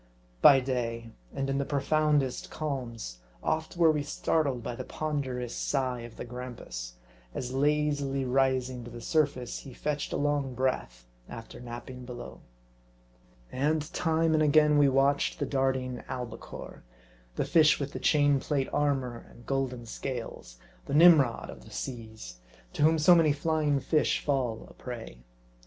By day, and in the profoundest calms, oft were we startled by the ponderous sigh of the grampus, as lazily rising to the surface, he fetched a long breath after napping below. And time and again we watched the darting albicore, the fish with the chain plate armor and golden scales ; the Nim rod of the seas, to whom so many flying fish fall a prey.